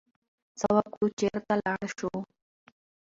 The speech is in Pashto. څه وکړو، چرته لاړ شو؟